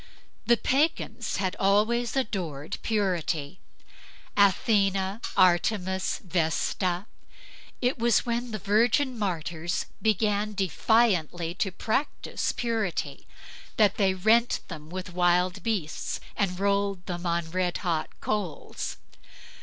The pagans had always adored purity: Athena, Artemis, Vesta. It was when the virgin martyrs began defiantly to practice purity that they rent them with wild beasts, and rolled them on red hot coals.